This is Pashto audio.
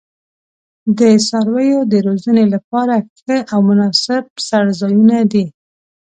د څارویو د روزنې لپاره ښه او مناسب څړځایونه دي.